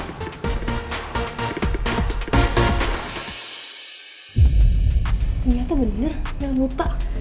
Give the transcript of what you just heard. ternyata bener mel buta